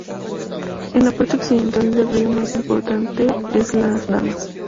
En la parte occidental el río más importante es Las Damas.